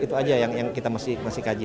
itu aja yang kita masih kaji